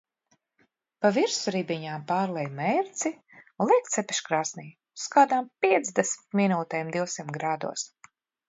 Pa virsu ribiņām pārlej mērci un liek cepeškrāsnī uz kādām piecdesmit minūtēm divsimt grādos.